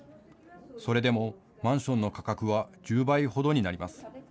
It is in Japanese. それでもマンションの価格は１０倍ほどになります。